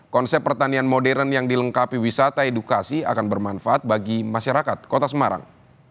konsep pertanian modern yang dilengkapi wisata edukasi akan bermanfaat bagi masyarakat kota semarang